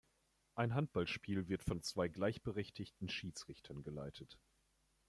Ein Handballspiel wird von zwei gleichberechtigten Schiedsrichtern geleitet.